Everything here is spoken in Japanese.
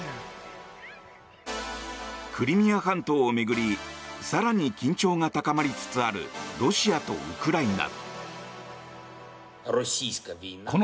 クリミア半島を巡り更に緊張が高まりつつあるロシアとウクライナ。